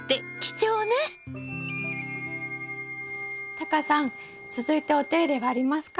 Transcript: タカさん続いてお手入れはありますか？